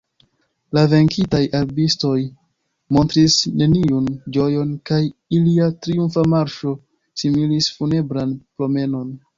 La venkintaj rabistoj montris neniun ĝojon, kaj ilia triumfa marŝo similis funebran promenon.